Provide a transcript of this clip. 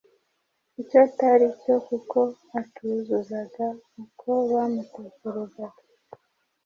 icyo atari cyo kuko atuzuzaga uko bamutekerezaga.